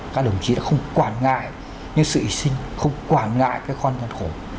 các đồng chí đã không quản ngại những sự hy sinh không quản ngại cái khoan gian khổ